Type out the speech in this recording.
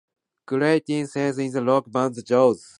Clements sang in a rock band, The Joes.